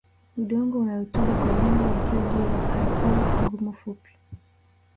Udongo una rutuba kwa wingi yakiwa juu ya carpaous ngumu fupi